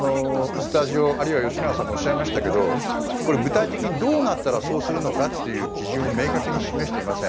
スタジオ、あるいは吉永さんもおっしゃいましたが具体的にどうなったらそうするのかという基準を明確に示していません。